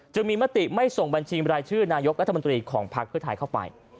จึงมีมติไม่ส่งบัญชีบรายชื่อนายกรัฐมนตรีของพักเพื่อไทยเข้าไป